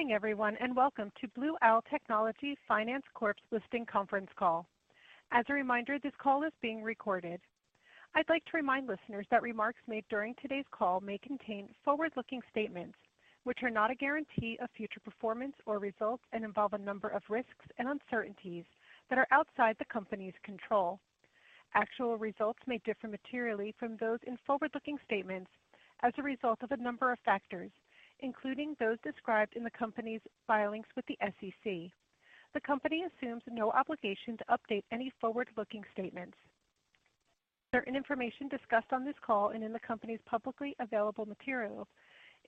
Good morning, everyone, and welcome to Blue Owl Technology Finance's listing conference call. As a reminder, this call is being recorded. I'd like to remind listeners that remarks made during today's call may contain forward-looking statements, which are not a guarantee of future performance or results and involve a number of risks and uncertainties that are outside the company's control. Actual results may differ materially from those in forward-looking statements as a result of a number of factors, including those described in the company's filings with the SEC. The company assumes no obligation to update any forward-looking statements. Certain information discussed on this call and in the company's publicly available material,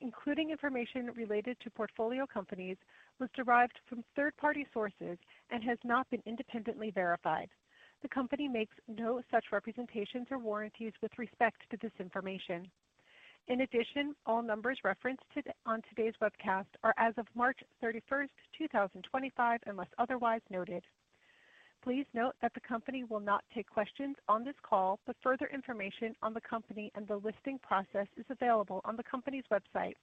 including information related to portfolio companies, was derived from third-party sources and has not been independently verified. The company makes no such representations or warranties with respect to this information. In addition, all numbers referenced on today's webcast are as of March 31st, 2025, unless otherwise noted. Please note that the company will not take questions on this call, but further information on the company and the listing process is available on the company's website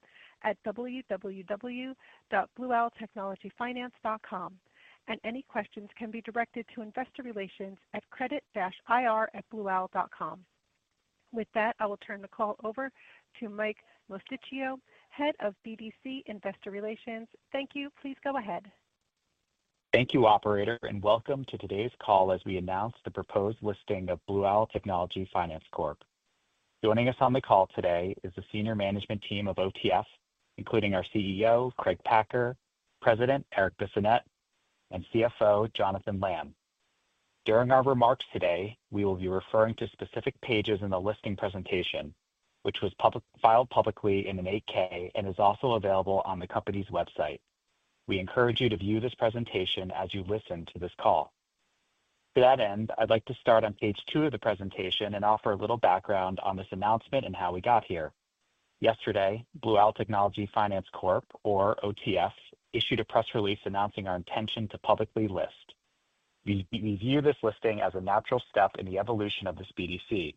at www.blueowltechnologyfinance.com, and any questions can be directed to investor relations at credit-ir@blueowl.com. With that, I will turn the call over to Mike Mosticchio, Head of BDC Investor Relations. Thank you. Please go ahead. Thank you, Operator, and welcome to today's call as we announce the proposed listing of Blue Owl Technology Finance Corp. Joining us on the call today is the senior management team of OTF, including our CEO, Craig Packer, President Erik Bissonnette, and CFO, Jonathan Lamm. During our remarks today, we will be referring to specific pages in the listing presentation, which was filed publicly in an 8-K and is also available on the company's website. We encourage you to view this presentation as you listen to this call. To that end, I'd like to start on page two of the presentation and offer a little background on this announcement and how we got here. Yesterday, Blue Owl Technology Finance Corp, or OTF, issued a press release announcing our intention to publicly list. We view this listing as a natural step in the evolution of this BDC.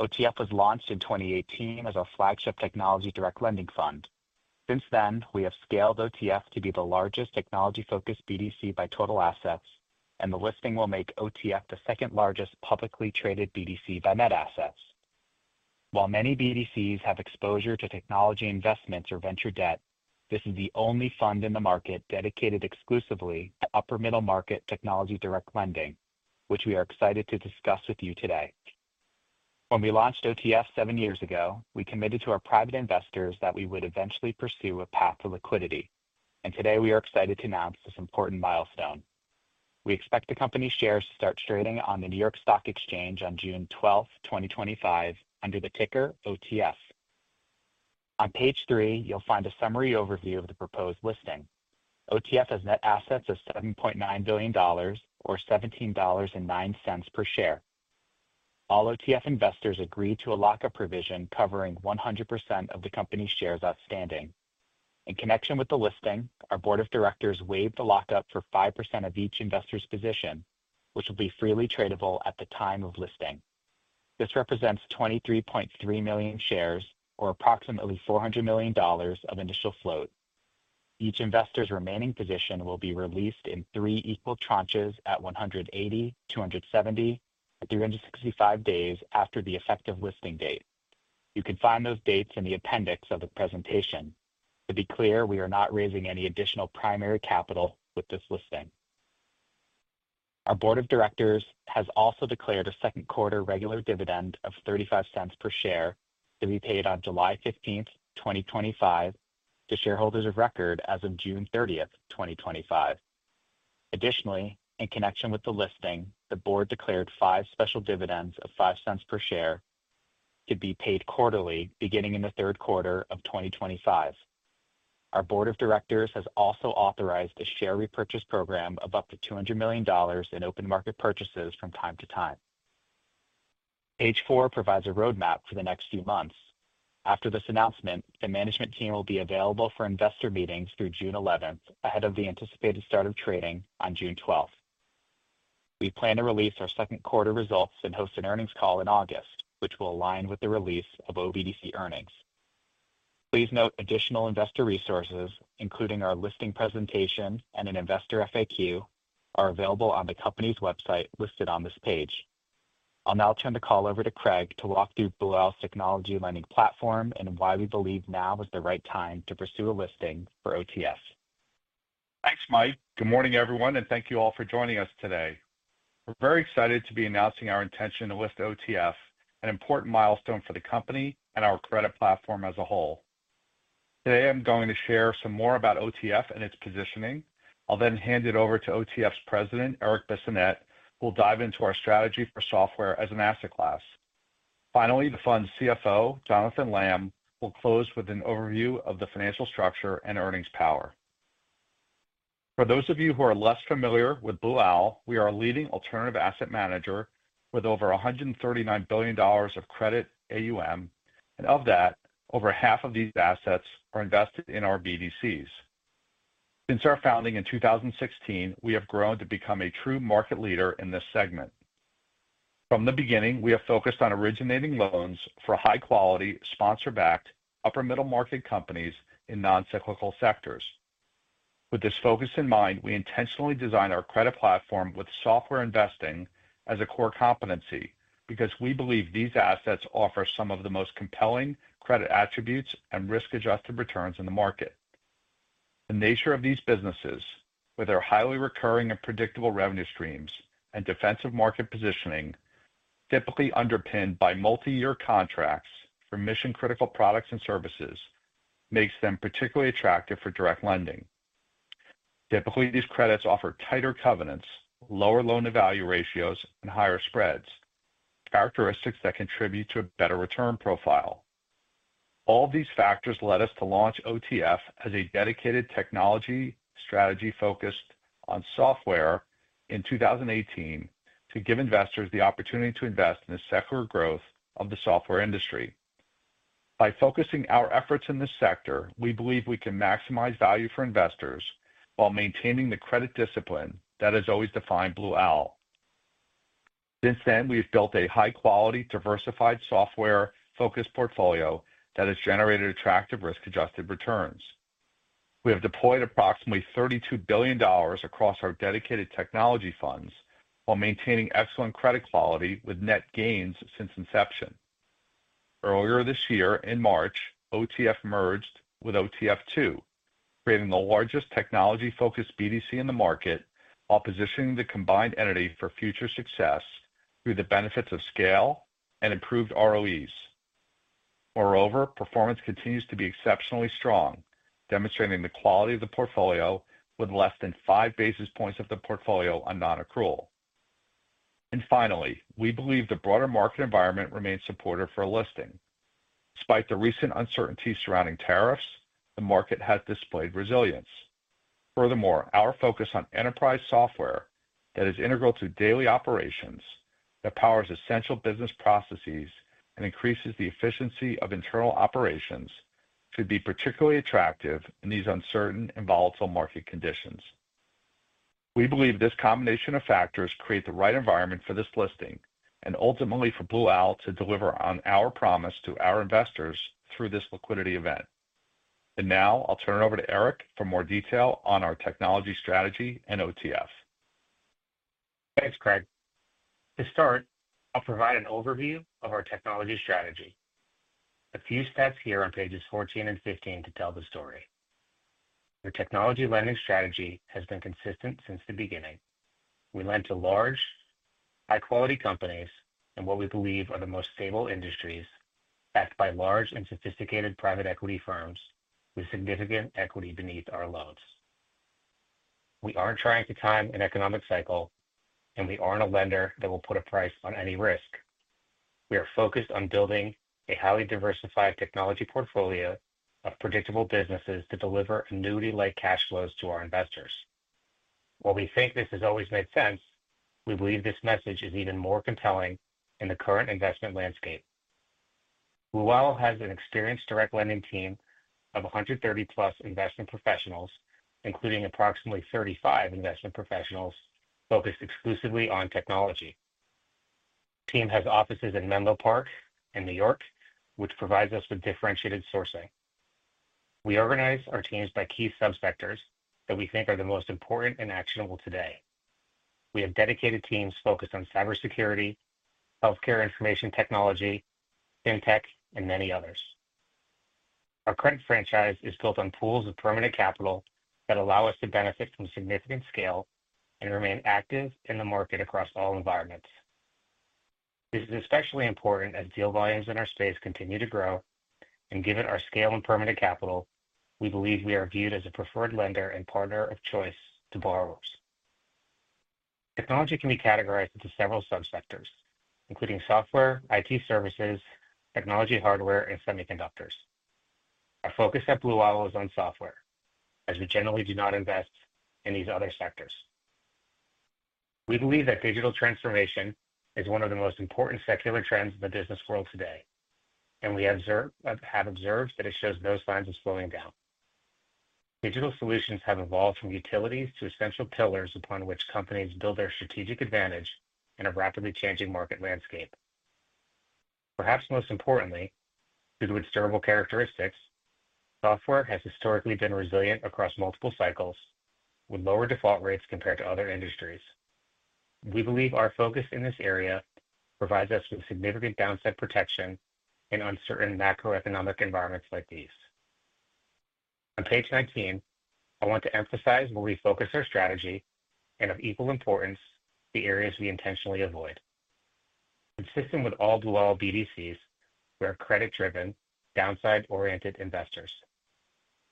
OTF was launched in 2018 as our flagship technology direct lending fund. Since then, we have scaled OTF to be the largest technology-focused BDC by total assets, and the listing will make OTF the second largest publicly traded BDC by net assets. While many BDCs have exposure to technology investments or venture debt, this is the only fund in the market dedicated exclusively to upper-middle-market technology direct lending, which we are excited to discuss with you today. When we launched OTF seven years ago, we committed to our private investors that we would eventually pursue a path to liquidity, and today we are excited to announce this important milestone. We expect the company's shares to start trading on the New York Stock Exchange on June 12th, 2025, under the ticker OTF. On page three, you'll find a summary overview of the proposed listing. OTF has net assets of $7.9 billion, or $17.09 per share. All OTF investors agree to a lock-up provision covering 100% of the company's shares outstanding. In connection with the listing, our Board of Directors waived the lock-up for 5% of each investor's position, which will be freely tradable at the time of listing. This represents 23.3 million shares, or approximately $400 million of initial float. Each investor's remaining position will be released in three equal tranches at 180, 270, and 365 days after the effective listing date. You can find those dates in the appendix of the presentation. To be clear, we are not raising any additional primary capital with this listing. Our Board of Directors has also declared a second-quarter regular dividend of $0.35 per share to be paid on July 15th, 2025, to shareholders of record as of June 30th, 2025. Additionally, in connection with the listing, the Board declared five special dividends of $0.05 per share to be paid quarterly beginning in the third quarter of 2025. Our Board of Directors has also authorized a share repurchase program of up to $200 million in open market purchases from time to time. Page four provides a roadmap for the next few months. After this announcement, the management team will be available for investor meetings through June 11th ahead of the anticipated start of trading on June 12th. We plan to release our second-quarter results and host an earnings call in August, which will align with the release of OBDC earnings. Please note additional investor resources, including our listing presentation and an investor FAQ, are available on the company's website listed on this page. I'll now turn the call over to Craig to walk through Blue Owl's technology lending platform and why we believe now is the right time to pursue a listing for OTF. Thanks, Mike. Good morning, everyone, and thank you all for joining us today. We're very excited to be announcing our intention to list OTF, an important milestone for the company and our credit platform as a whole. Today, I'm going to share some more about OTF and its positioning. I'll then hand it over to OTF's President, Erik Bissonnette, who will dive into our strategy for software as an asset class. Finally, the fund's CFO, Jonathan Lam, will close with an overview of the financial structure and earnings power. For those of you who are less familiar with Blue Owl, we are a leading alternative asset manager with over $139 billion of credit AUM, and of that, over half of these assets are invested in our BDCs. Since our founding in 2016, we have grown to become a true market leader in this segment. From the beginning, we have focused on originating loans for high-quality, sponsor-backed, upper-middle-market companies in non-cyclical sectors. With this focus in mind, we intentionally designed our credit platform with software investing as a core competency because we believe these assets offer some of the most compelling credit attributes and risk-adjusted returns in the market. The nature of these businesses, with their highly recurring and predictable revenue streams and defensive market positioning, typically underpinned by multi-year contracts for mission-critical products and services, makes them particularly attractive for direct lending. Typically, these credits offer tighter covenants, lower loan-to-value ratios, and higher spreads, characteristics that contribute to a better return profile. All of these factors led us to launch OTF as a dedicated technology strategy focused on software in 2018 to give investors the opportunity to invest in the secular growth of the software industry. By focusing our efforts in this sector, we believe we can maximize value for investors while maintaining the credit discipline that has always defined Blue Owl. Since then, we've built a high-quality, diversified software-focused portfolio that has generated attractive risk-adjusted returns. We have deployed approximately $32 billion across our dedicated technology funds while maintaining excellent credit quality with net gains since inception. Earlier this year, in March, OTF merged with OTF2, creating the largest technology-focused BDC in the market while positioning the combined entity for future success through the benefits of scale and improved ROEs. Moreover, performance continues to be exceptionally strong, demonstrating the quality of the portfolio with less than five basis points of the portfolio on non-accrual. Finally, we believe the broader market environment remains supportive for a listing. Despite the recent uncertainty surrounding tariffs, the market has displayed resilience. Furthermore, our focus on enterprise software that is integral to daily operations, that powers essential business processes and increases the efficiency of internal operations, should be particularly attractive in these uncertain and volatile market conditions. We believe this combination of factors creates the right environment for this listing and ultimately for Blue Owl to deliver on our promise to our investors through this liquidity event. Now, I'll turn it over to Erik for more detail on our technology strategy and OTF. Thanks, Craig. To start, I'll provide an overview of our technology strategy. A few stats here on pages 14 and 15 to tell the story. Our technology lending strategy has been consistent since the beginning. We lend to large, high-quality companies in what we believe are the most stable industries, backed by large and sophisticated private equity firms with significant equity beneath our loans. We aren't trying to time an economic cycle, and we aren't a lender that will put a price on any risk. We are focused on building a highly diversified technology portfolio of predictable businesses to deliver annuity-like cash flows to our investors. While we think this has always made sense, we believe this message is even more compelling in the current investment landscape. Blue Owl has an experienced direct lending team of 130-plus investment professionals, including approximately 35 investment professionals focused exclusively on technology. The team has offices in Menlo Park and New York, which provides us with differentiated sourcing. We organize our teams by key subsectors that we think are the most important and actionable today. We have dedicated teams focused on cybersecurity, healthcare information technology, fintech, and many others. Our credit franchise is built on pools of permanent capital that allow us to benefit from significant scale and remain active in the market across all environments. This is especially important as deal volumes in our space continue to grow, and given our scale and permanent capital, we believe we are viewed as a preferred lender and partner of choice to borrowers. Technology can be categorized into several subsectors, including software, IT services, technology hardware, and semiconductors. Our focus at Blue Owl is on software, as we generally do not invest in these other sectors. We believe that digital transformation is one of the most important secular trends in the business world today, and we have observed that it shows no signs of slowing down. Digital solutions have evolved from utilities to essential pillars upon which companies build their strategic advantage in a rapidly changing market landscape. Perhaps most importantly, due to its durable characteristics, software has historically been resilient across multiple cycles, with lower default rates compared to other industries. We believe our focus in this area provides us with significant downside protection in uncertain macroeconomic environments like these. On page 19, I want to emphasize where we focus our strategy and, of equal importance, the areas we intentionally avoid. Consistent with all Blue Owl BDCs, we are credit-driven, downside-oriented investors.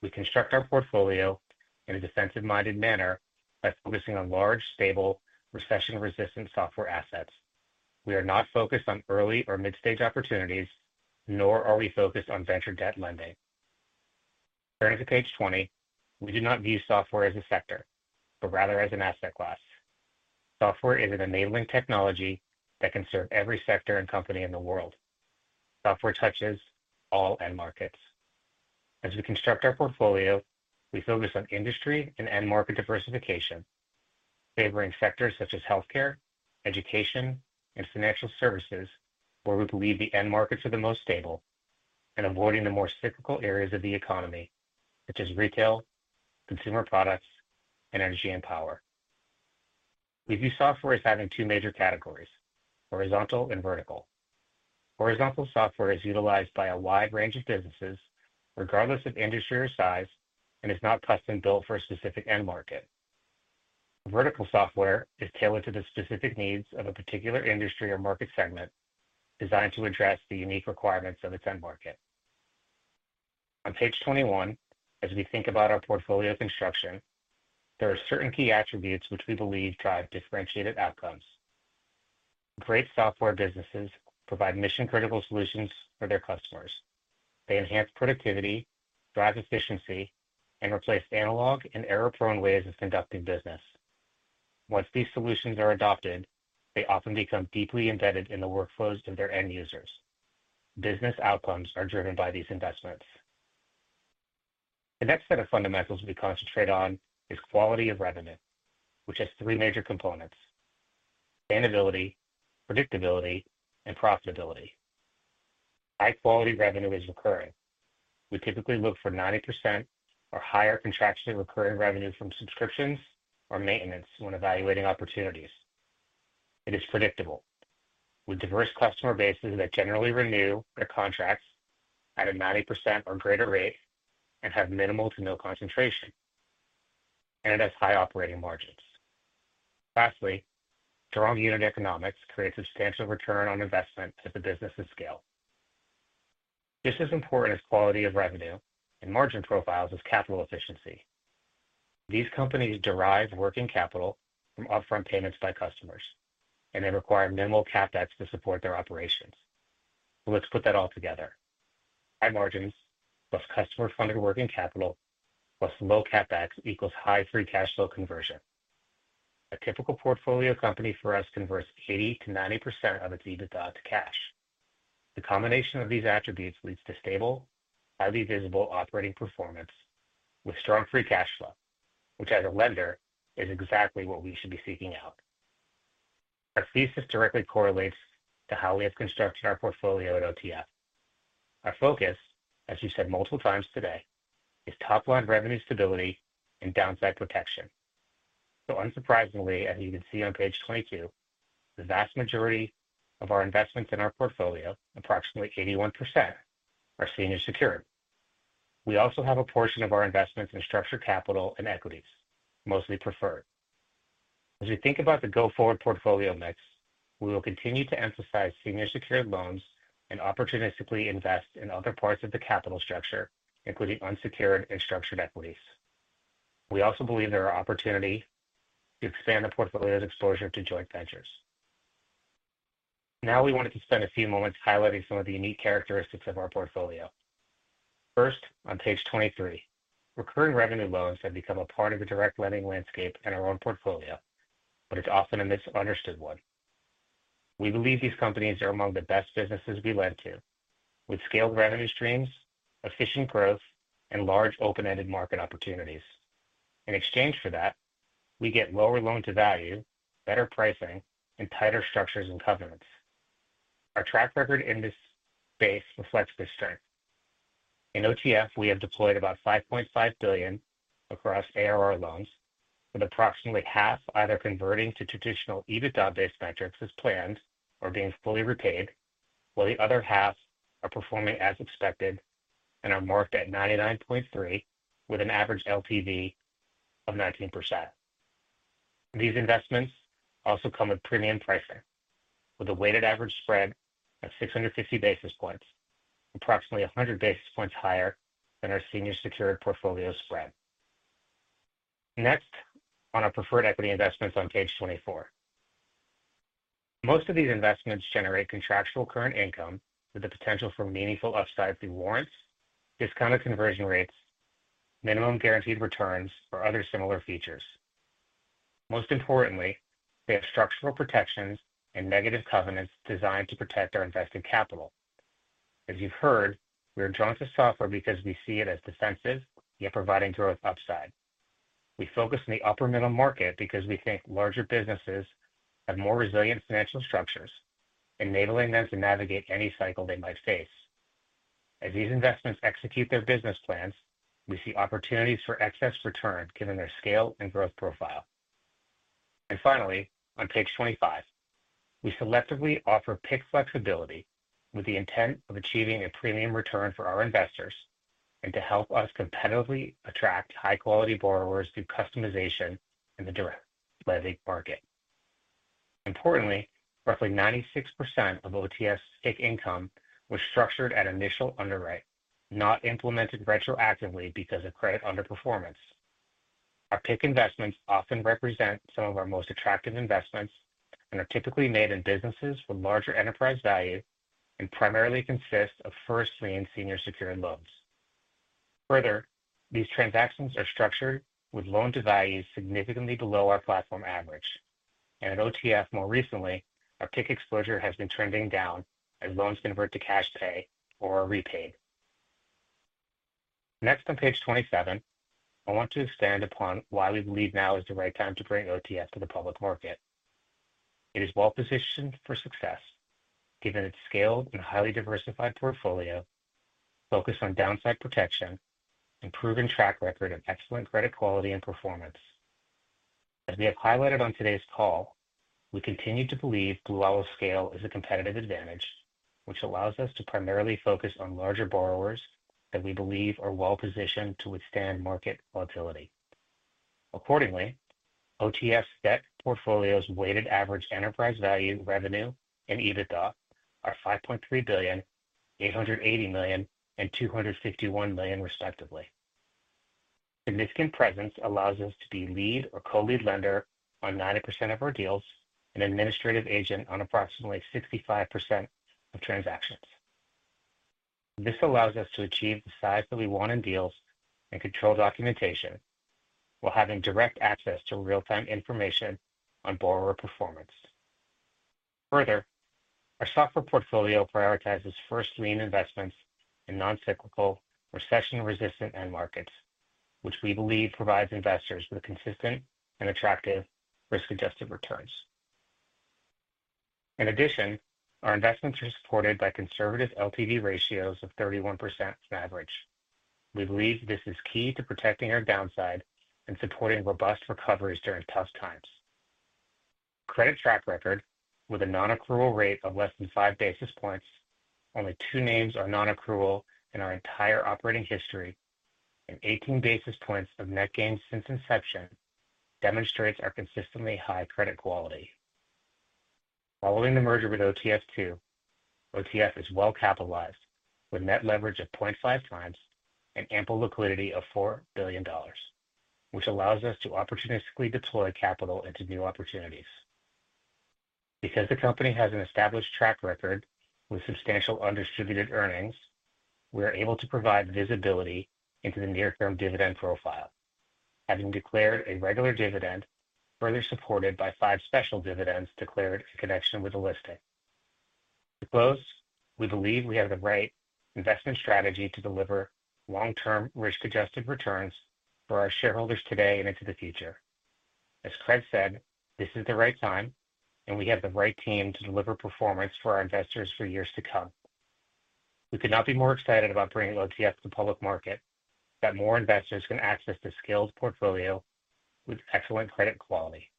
We construct our portfolio in a defensive-minded manner by focusing on large, stable, recession-resistant software assets. We are not focused on early or mid-stage opportunities, nor are we focused on venture debt lending. Turning to page 20, we do not view software as a sector, but rather as an asset class. Software is an enabling technology that can serve every sector and company in the world. Software touches all end markets. As we construct our portfolio, we focus on industry and end market diversification, favoring sectors such as healthcare, education, and financial services, where we believe the end markets are the most stable, and avoiding the more cyclical areas of the economy, such as retail, consumer products, energy, and power. We view software as having two major categories: horizontal and vertical. Horizontal software is utilized by a wide range of businesses, regardless of industry or size, and is not custom-built for a specific end market. Vertical software is tailored to the specific needs of a particular industry or market segment, designed to address the unique requirements of its end market. On page 21, as we think about our portfolio construction, there are certain key attributes which we believe drive differentiated outcomes. Great software businesses provide mission-critical solutions for their customers. They enhance productivity, drive efficiency, and replace analog and error-prone ways of conducting business. Once these solutions are adopted, they often become deeply embedded in the workflows of their end users. Business outcomes are driven by these investments. The next set of fundamentals we concentrate on is quality of revenue, which has three major components: sustainability, predictability, and profitability. High-quality revenue is recurring. We typically look for 90% or higher concentration of recurring revenue from subscriptions or maintenance when evaluating opportunities. It is predictable, with diverse customer bases that generally renew their contracts at a 90% or greater rate and have minimal to no concentration, and it has high operating margins. Lastly, strong unit economics create substantial return on investment as the businesses scale. Just as important as quality of revenue, and margin profiles is capital efficiency. These companies derive working capital from upfront payments by customers, and they require minimal capex to support their operations. Let's put that all together. High margins plus customer-funded working capital plus low capex equals high free cash flow conversion. A typical portfolio company for us converts 80%-90% of its EBITDA to cash. The combination of these attributes leads to stable, highly visible operating performance with strong free cash flow, which as a lender is exactly what we should be seeking out. Our thesis directly correlates to how we have constructed our portfolio at OTF. Our focus, as you said multiple times today, is top-line revenue stability and downside protection. Unsurprisingly, as you can see on page 22, the vast majority of our investments in our portfolio, approximately 81%, are senior secured. We also have a portion of our investments in structured capital and equities, mostly preferred. As we think about the go-forward portfolio mix, we will continue to emphasize senior secured loans and opportunistically invest in other parts of the capital structure, including unsecured and structured equities. We also believe there is an opportunity to expand the portfolio's exposure to joint ventures. Now we wanted to spend a few moments highlighting some of the unique characteristics of our portfolio. First, on page 23, recurring revenue loans have become a part of the direct lending landscape in our own portfolio, but it's often a misunderstood one. We believe these companies are among the best businesses we lend to, with scaled revenue streams, efficient growth, and large open-ended market opportunities. In exchange for that, we get lower loan-to-value, better pricing, and tighter structures and covenants. Our track record in this space reflects this strength. In OTF, we have deployed about $5.5 billion across ARR loans, with approximately half either converting to traditional EBITDA-based metrics as planned or being fully repaid, while the other half are performing as expected and are marked at 99.3%, with an average LTV of 19%. These investments also come with premium pricing, with a weighted average spread of 650 basis points, approximately 100 basis points higher than our senior secured portfolio spread. Next, on our preferred equity investments on page 24. Most of these investments generate contractual current income with the potential for meaningful upside through warrants, discounted conversion rates, minimum guaranteed returns, or other similar features. Most importantly, they have structural protections and negative covenants designed to protect our invested capital. As you've heard, we are drawn to software because we see it as defensive, yet providing growth upside. We focus on the upper-middle market because we think larger businesses have more resilient financial structures, enabling them to navigate any cycle they might face. As these investments execute their business plans, we see opportunities for excess return given their scale and growth profile. Finally, on page 25, we selectively offer pick flexibility with the intent of achieving a premium return for our investors and to help us competitively attract high-quality borrowers through customization in the direct lending market. Importantly, roughly 96% of OTF's pick income was structured at initial underwrite, not implemented retroactively because of credit underperformance. Our pick investments often represent some of our most attractive investments and are typically made in businesses with larger enterprise value and primarily consist of first-lien senior secured loans. Further, these transactions are structured with loan-to-values significantly below our platform average. At OTF, more recently, our pick exposure has been trending down as loans convert to cash pay or are repaid. Next, on page 27, I want to expand upon why we believe now is the right time to bring OTF to the public market. It is well-positioned for success, given its scaled and highly diversified portfolio, focused on downside protection, and proven track record of excellent credit quality and performance. As we have highlighted on today's call, we continue to believe Blue Owl's scale is a competitive advantage, which allows us to primarily focus on larger borrowers that we believe are well-positioned to withstand market volatility. Accordingly, OTF's debt portfolio's weighted average enterprise value, revenue, and EBITDA are $5.3 billion, $880 million, and $251 million, respectively. Significant presence allows us to be lead or co-lead lender on 90% of our deals and administrative agent on approximately 65% of transactions. This allows us to achieve the size that we want in deals and control documentation while having direct access to real-time information on borrower performance. Further, our software portfolio prioritizes first-line investments in non-cyclical, recession-resistant end markets, which we believe provides investors with consistent and attractive risk-adjusted returns. In addition, our investments are supported by conservative LTV ratios of 31% on average. We believe this is key to protecting our downside and supporting robust recoveries during tough times. Credit track record, with a non-accrual rate of less than five basis points, only two names are non-accrual in our entire operating history, and 18 basis points of net gains since inception demonstrates our consistently high credit quality. Following the merger with OTF2, OTF is well-capitalized, with net leverage of 0.5x and ample liquidity of $4 billion, which allows us to opportunistically deploy capital into new opportunities. Because the company has an established track record with substantial undistributed earnings, we are able to provide visibility into the near-term dividend profile, having declared a regular dividend, further supported by five special dividends declared in connection with the listing. To close, we believe we have the right investment strategy to deliver long-term risk-adjusted returns for our shareholders today and into the future. As Craig said, this is the right time, and we have the right team to deliver performance for our investors for years to come. We could not be more excited about bringing OTF to the public market, that more investors can access the skilled portfolio with excellent credit quality.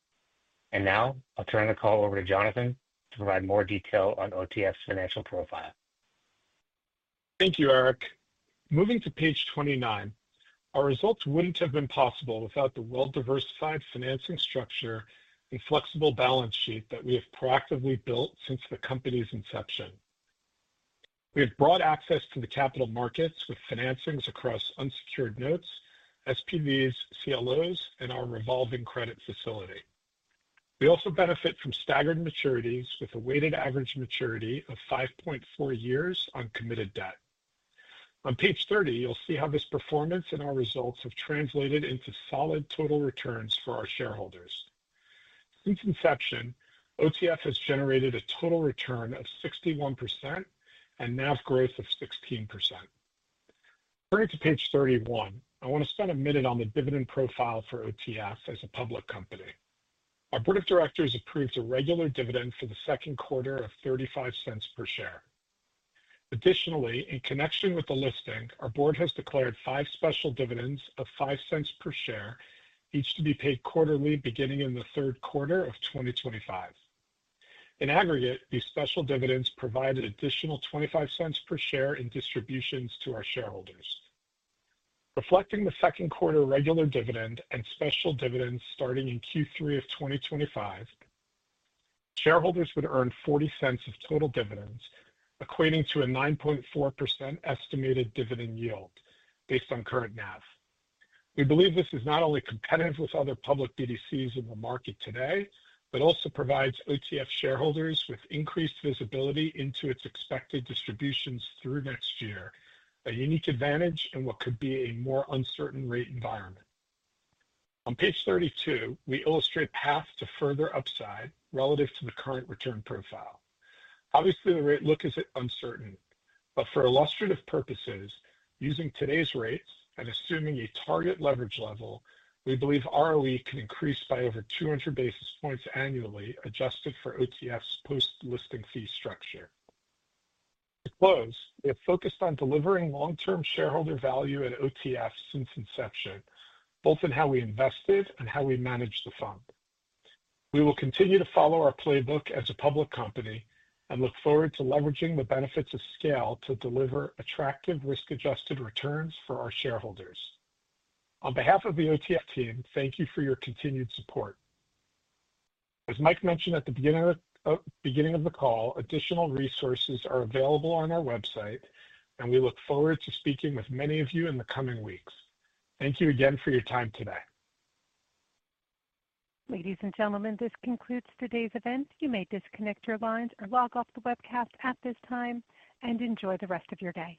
Now I'll turn the call over to Jonathan to provide more detail on OTF's financial profile. Thank you, Erik. Moving to page 29, our results would not have been possible without the well-diversified financing structure and flexible balance sheet that we have proactively built since the company's inception. We have broad access to the capital markets with financings across unsecured notes, SPVs, CLOs, and our revolving credit facility. We also benefit from staggered maturities with a weighted average maturity of 5.4 years on committed debt. On page 30, you'll see how this performance and our results have translated into solid total returns for our shareholders. Since inception, OTF has generated a total return of 61% and NAV growth of 16%. Turning to page 31, I want to spend a minute on the dividend profile for OTF as a public company. Our Board of Directors approved a regular dividend for the second quarter of $0.35 per share. Additionally, in connection with the listing, our Board has declared five special dividends of $0.05 per share, each to be paid quarterly beginning in the third quarter of 2025. In aggregate, these special dividends provide an additional $0.25 per share in distributions to our shareholders. Reflecting the second quarter regular dividend and special dividends starting in Q3 of 2025, shareholders would earn $0.40 of total dividends, equating to a 9.4% estimated dividend yield based on current NAV. We believe this is not only competitive with other public BDCs in the market today, but also provides OTF shareholders with increased visibility into its expected distributions through next year, a unique advantage in what could be a more uncertain rate environment. On page 32, we illustrate paths to further upside relative to the current return profile. Obviously, the rate look is uncertain, but for illustrative purposes, using today's rates and assuming a target leverage level, we believe ROE can increase by over 200 basis points annually adjusted for OTF's post-listing fee structure. To close, we have focused on delivering long-term shareholder value at OTF since inception, both in how we invested and how we manage the fund. We will continue to follow our playbook as a public company and look forward to leveraging the benefits of scale to deliver attractive risk-adjusted returns for our shareholders. On behalf of the OTF team, thank you for your continued support. As Mike mentioned at the beginning of the call, additional resources are available on our website, and we look forward to speaking with many of you in the coming weeks. Thank you again for your time today. Ladies and gentlemen, this concludes today's event. You may disconnect your lines or log off the webcast at this time and enjoy the rest of your day.